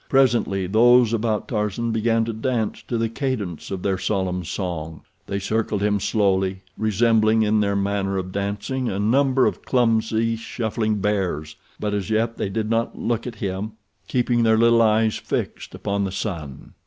Presently those about Tarzan began to dance to the cadence of their solemn song. They circled him slowly, resembling in their manner of dancing a number of clumsy, shuffling bears; but as yet they did not look at him, keeping their little eyes fixed upon the sun.